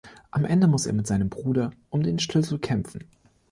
Am Ende muss er mit seinem Bruder um den Schlüssel kämpfen.